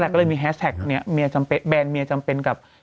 ก็เลยมีแฮสแท็กแบรนด์เมียจำเป็นกับ